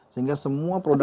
sehingga semua produk